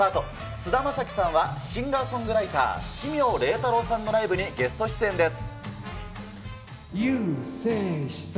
菅田将暉さんはシンガーソングライター、奇妙礼太郎さんのライブにゲスト出演です。